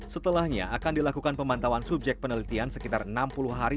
setelahnya akan dilakukan pemantauan subjek penelitian sekitar enam puluh hari